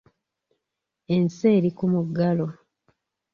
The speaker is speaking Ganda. Ensi eri ku muggalo.